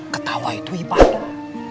ketawa itu ibadah